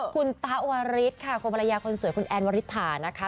คุณตะวาริสค่ะคนภรรยาคนสวยคุณแอนวริถานะคะ